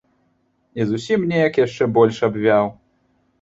І зусім нейк яшчэ больш абвяў.